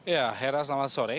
ya hera selamat sore